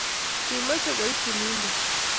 kimeche koib chumbindet